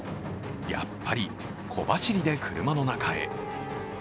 やっぱり小走りで車の中へ。